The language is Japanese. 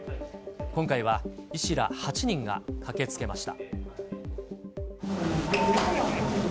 今回は医師ら８人が駆けつけました。